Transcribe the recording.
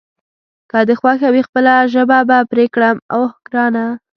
که دې خوښه وي خپله ژبه به پرې کړم، اوه ګرانه.